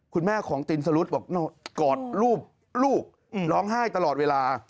คุณแม่ของตินสรุธบอกกอดรูปลูกร้องไห้ตลอดเวลา